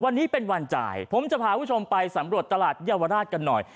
วันนี้เป็นวันจ่ายผมจะพาคุณผู้ชมไปสำรวจตลาดเยาวราชกันหน่อย